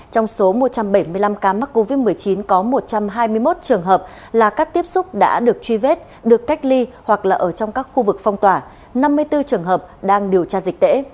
trong số một trăm bảy mươi năm ca mắc covid một mươi chín có một trăm hai mươi một trường hợp là các tiếp xúc đã được truy vết được cách ly hoặc là ở trong các khu vực phong tỏa năm mươi bốn trường hợp đang điều tra dịch tễ